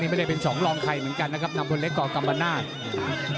นี่ไม่ได้เป็น๒ลองไทยเหมือนกันครับน้ำพลเล็กก่อกับกัมบาภนะ